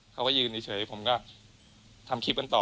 เขาก็ยืนเฉยผมก็ทำคลิปกันต่อ